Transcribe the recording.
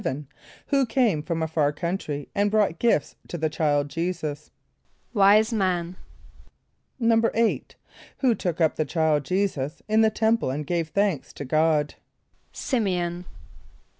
= Who came from a far country and brought gifts to the child J[=e]´[s+]us? =Wise men.= =8.= Who took up the child J[=e]´[s+]us in the temple and gave thanks to God? =S[)i]m´e on.